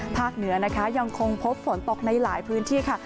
เหนือนะคะยังคงพบฝนตกในหลายพื้นที่ค่ะ